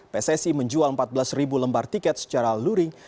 pssi menjual empat belas lembar tiket secara luring